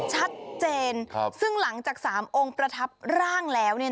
ชัดเจนซึ่งหลังจาก๓องค์ประทับร่างแล้ว